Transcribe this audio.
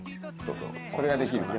それができるから。